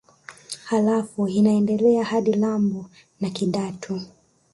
Halafu inaendelea hadi lambo la Kidatu